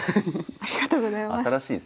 ありがとうございます。